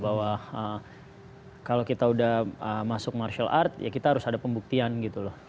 bahwa kalau kita udah masuk martial art ya kita harus ada pembuktian gitu loh